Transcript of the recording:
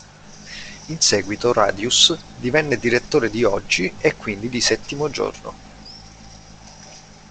In seguito Radius divenne direttore di "Oggi" e quindi di "Settimo Giorno".